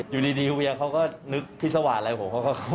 อยู่ดีเวียเขาก็นึกที่สวาดอะไรผม